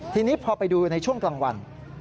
ทีนี้พอไปดูในช่วงกลางวัน